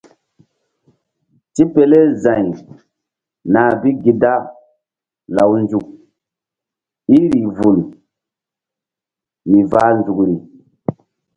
Tipele za̧y nah bi gi da law nzuk í rih vul mi vah nzukri.